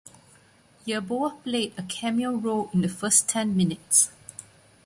Yeboah played a cameo role in the first ten minutes.